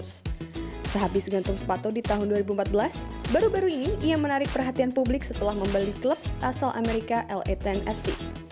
sehabis gantung sepatu di tahun dua ribu empat belas baru baru ini ia menarik perhatian publik setelah membeli klub asal amerika latn fc